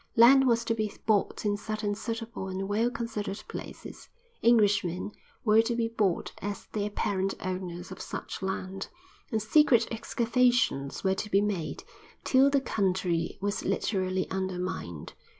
Land was to be bought in certain suitable and well considered places, Englishmen were to be bought as the apparent owners of such land, and secret excavations were to be made, till the country was literally undermined.